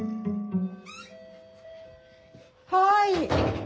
はい。